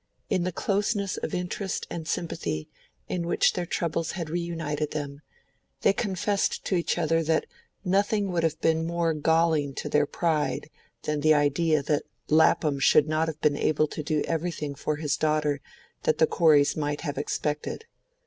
In the closeness of interest and sympathy in which their troubles had reunited them, they confessed to each other that nothing would have been more galling to their pride than the idea that Lapham should not have been able to do everything for his daughter that the Coreys might have expected.